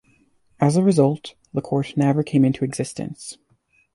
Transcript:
As a result, the court never came into existence.